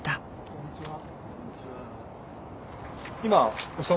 こんにちは。